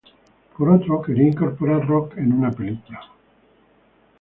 Por otro, quería incorporar rock en una película.